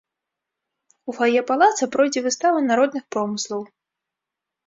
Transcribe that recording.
У фае палаца пройдзе выстава народных промыслаў.